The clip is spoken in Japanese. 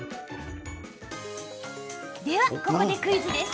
では、ここでクイズです。